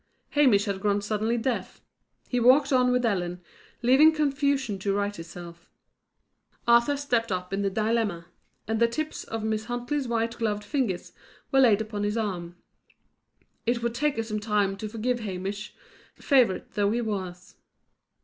Hamish had grown suddenly deaf. He walked on with Ellen, leaving confusion to right itself. Arthur stepped up in the dilemma, and the tips of Miss Huntley's white gloved fingers were laid upon his arm. It would take her some time to forgive Hamish, favourite though he was.